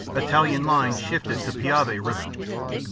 Italian line shifted Dec to Piave River.